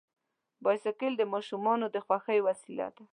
بایسکل د ماشومانو د خوښۍ وسیله ده.